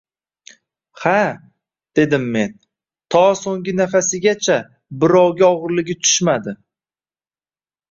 Ha, – dedim men, – to soʻnggi nafasigacha birovga ogʻirligi tushmadi.